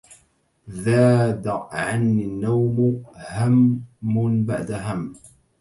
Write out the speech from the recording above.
ذاد عنى النوم هم بعد هم